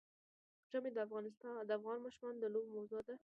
ژمی د افغان ماشومانو د لوبو موضوع ده.